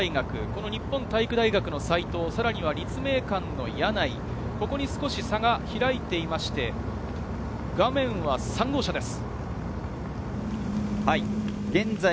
石松と後ろ、日本体育大学、この日本体育大学の齋藤、さらに立命館の柳井、ここに少し差が開いていまして、画面は３号車です。